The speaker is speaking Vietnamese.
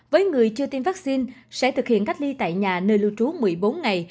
với người chưa tiêm vaccine sẽ thực hiện cách ly tại nhà nơi lưu trú một mươi bốn ngày